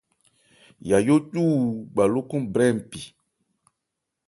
Yayó cu wu gba lókɔn brɛ mpi.